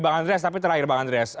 bang andreas tapi terakhir bang andreas